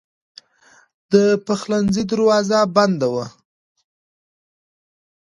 د پخلنځي دروازه بنده وه.